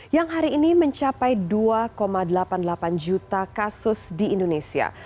yang hari ini mencapai dua delapan puluh delapan juta kasus di indonesia